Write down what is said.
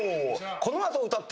このあと歌って。